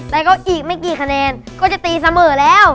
แต่ก็อีกไม่กี่คะแนนก็จะตีเสมอแล้ว